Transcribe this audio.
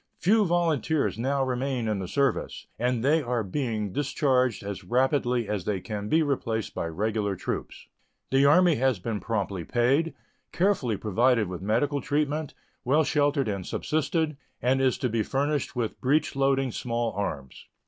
Few volunteers now remain in the service, and they are being discharged as rapidly as they can be replaced by regular troops. The Army has been promptly paid, carefully provided with medical treatment, well sheltered and subsisted, and is to be furnished with breech loading small arms.